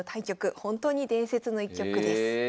本当に伝説の一局です。え。